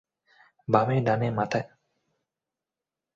বামে, ডানে, মাথায়।